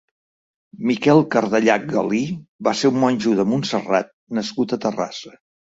Miquel Cardellach Galí va ser un monjo de Montserrat nascut a Terrassa.